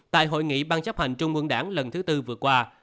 tại hội nghị ban chấp hành trung ương đảng lần thứ tư vừa qua